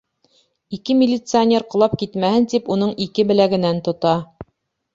Ике милиционер, ҡолап китмәһен тип, уның ике беләгенән тота.